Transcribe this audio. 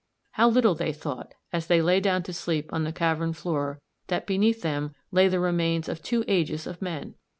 How little they thought, as they lay down to sleep on the cavern floor, that beneath them lay the remains of two ages of men!